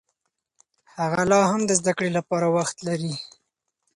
هغه لا هم د زده کړې لپاره وخت لري.